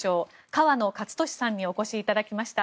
河野克俊さんにお越しいただきました。